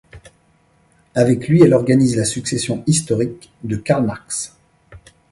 Avec lui, elle organise la succession historique de Karl Marx.